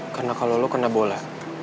karena kalau lo kena bola